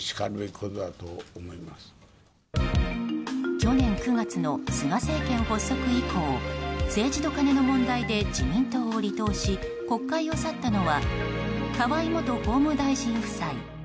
去年９月の菅政権発足以降政治とカネの問題で自民党を離党し国会を去ったのは河井元法務大臣夫妻